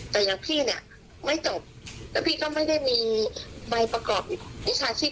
แต่อย่างพี่เนี่ยไม่จบแล้วพี่ก็ไม่ได้มีใบประกอบวิชาชีพ